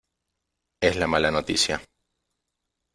es la mala noticia .